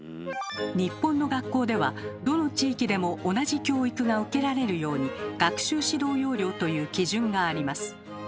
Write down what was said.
日本の学校ではどの地域でも同じ教育が受けられるように「学習指導要領」という基準があります。